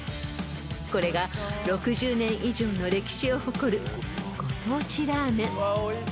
［これが６０年以上の歴史を誇るご当地ラーメン］